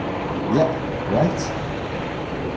Yep, right!